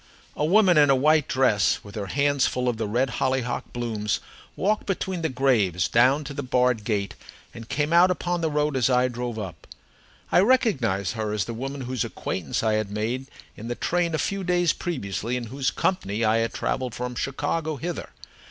A woman in a white dress, with her hands full of the red hollyhock blooms, walked between the graves down to the barred gate and came out upon the road as I drove up. I recognized her as the woman whose acquaintance I had made in the train a few days previously, and in whose company I had travelled from Chicago hither.